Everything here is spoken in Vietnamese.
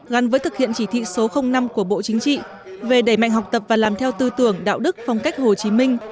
gắn với thực hiện chỉ thị số năm của bộ chính trị về đẩy mạnh học tập và làm theo tư tưởng đạo đức phong cách hồ chí minh